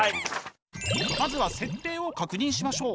まずは設定を確認しましょう。